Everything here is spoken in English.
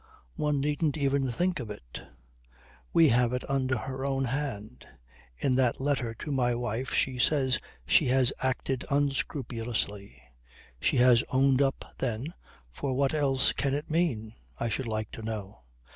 One needn't even think of it. We have it under her own hand. In that letter to my wife she says she has acted unscrupulously. She has owned up, then, for what else can it mean, I should like to know.